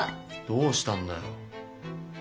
どうしたんだよ。